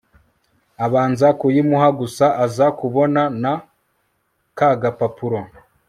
abanza kuyimuha gusa aza kubona na kagapapuro